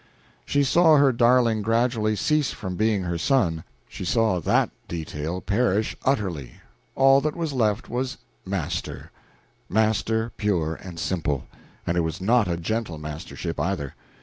She saw her darling gradually cease from being her son, she saw that detail perish utterly; all that was left was master master, pure and simple, and it was not a gentle mastership, either.